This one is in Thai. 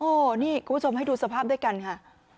โอ้โหนี่คุณผู้ชมให้ดูสภาพด้วยกันค่ะ